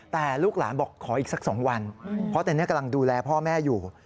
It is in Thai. แต่ลูกหลานบอกขออีกสัก๒วันเพราะตอนนี้กำลังดูแลพ่อแม่อยู่